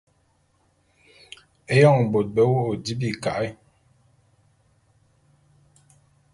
Éyoñ bôt be wô’ô di bika’e.